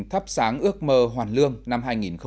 thắp sáng ước mơ hoàn lương năm hai nghìn một mươi chín